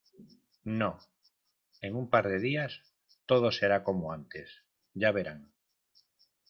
No, en un par de días , todo será como antes. Ya verán .